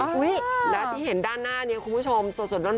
โอ้โหแล้วด้านหน้านี้คุณผู้ชมสดร้อน